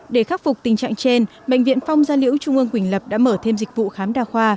để khắc phục tình trạng trên bệnh viện phong gia liễu trung ương quỳnh lập đã mở thêm dịch vụ khám đa khoa